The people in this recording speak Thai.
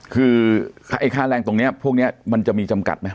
คือไอ้ค่าแรงตรงนี้พวกนี้มันจะมีจำกัดไหม